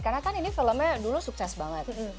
karena kan ini filmnya dulu sukses banget